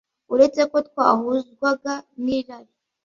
uretse ko twahuzwaga n’irari